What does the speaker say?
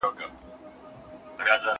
زه هره ورځ زدکړه کوم!؟